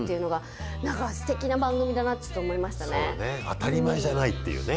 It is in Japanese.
当たり前じゃないっていうね。